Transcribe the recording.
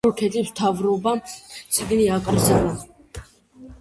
თურქეთის მთავრობამ წიგნი აკრძალა.